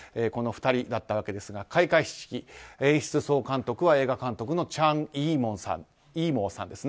この２人だったわけですが開会式、演出総監督は映画監督のチャン・イーモウさん。